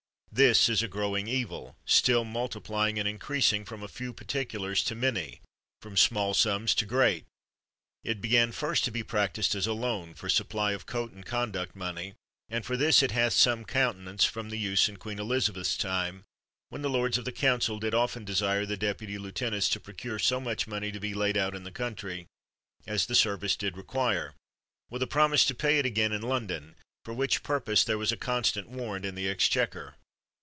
This is a growing evil; still multiplying and increasing from a few particu lars to many, from small sums to great. It began first to be practised as a loan, for supply of coat and conduct money; and for this it hath some countenance from the use in Queen Elizabeth's time, when the lords of the council did often desire the deputy lieutenants to procure so much money to be laid out in the country as the service did require, with a promise to pay it again in 60 PYM London ; for which purpose there was a constant warrant in the exchequer.